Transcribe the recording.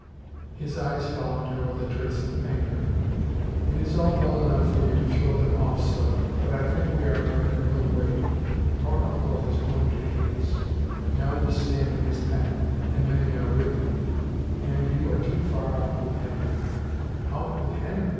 His eyes followed her with a trace of anger. " It is all well enough for you to throw them off so, but I think we are in an ill way. Our uncle has grown to hate us. Now we stand in his path, and many are with him. And you are too far out with Henry." " Out with Henry